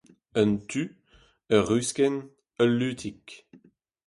un tu, ur ruskenn, ul lutig